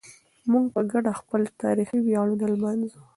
موږ په ګډه خپل تاریخي ویاړونه لمانځو.